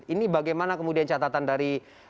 ini bagaimana kemudian catatan dari